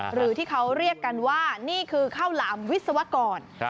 หรือที่เขาเรียกกันว่านี่คือข้าวหลามวิศวกร